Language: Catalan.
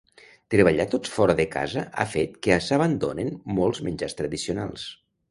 Treballar tots fora de casa ha fet que s'abandonen molts menjars tradicionals